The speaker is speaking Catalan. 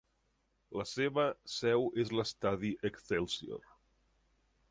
La seva seu és l'estadi Excelsior.